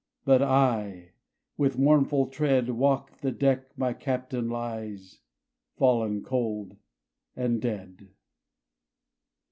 But I, with mournful tread, Walk the deck my Captain lies, Fallen cold and dead.